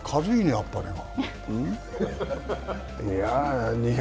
あっぱれが。